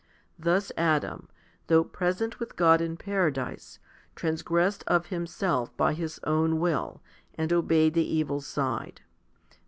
Thus Adam, though pre sent with God in paradise, transgressed of himself by his own will, and obeyed the evil side.